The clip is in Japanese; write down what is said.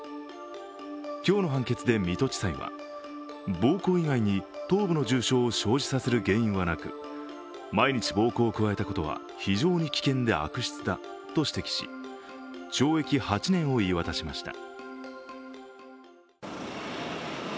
今日の判決で水戸地裁は暴行以外に頭部の重傷を生じさせる原因はなく毎日暴行を加えたことは非常に危険で悪質だと指摘し懲役８年を言い渡しました。